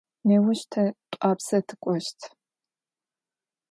Неущ тэ Тӏуапсэ тыкӏощт.